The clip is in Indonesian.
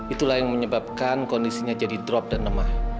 itulah yang menyebabkan kondisinya jadi drop dan lemah